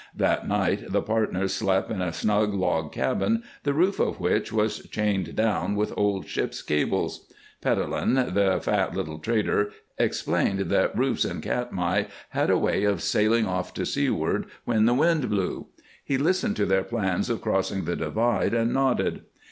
That night the partners slept in a snug log cabin, the roof of which was chained down with old ships' cables. Petellin, the fat little trader, explained that roofs in Katmai had a way of sailing off to seaward when the wind blew. He listened to their plan of crossing the divide and nodded.